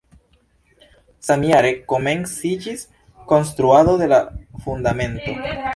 Samjare komenciĝis konstruado de la fundamento.